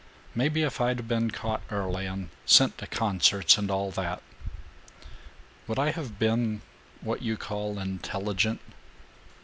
Maybe if I'd been caught early and sent to concerts and all that Would I have been what you call intelligent?"